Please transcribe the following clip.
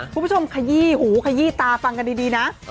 คุณผู้ชมขยี้หูขยี้ตาฟังกันดีนะ